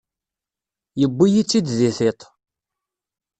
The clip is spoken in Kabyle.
Yewwi-yi-tt-id di tiṭ.